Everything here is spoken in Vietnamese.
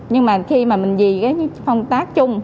nhưng mà khi mà mình vì cái phong tác chung